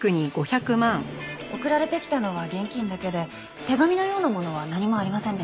送られてきたのは現金だけで手紙のようなものは何もありませんでした。